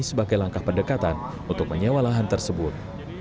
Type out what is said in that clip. sebagai langkah pendekatan untuk menyewa lahan tersebut